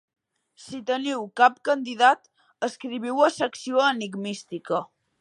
Si teniu cap candidat, escriviu a Secció Enigmística.